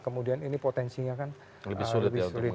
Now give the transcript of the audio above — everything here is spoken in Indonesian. kemudian ini potensinya kan lebih sulit